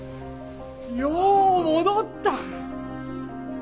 よう戻った！